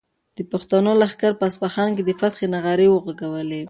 د پښتنو لښکر په اصفهان کې د فتحې نغارې وغږولې.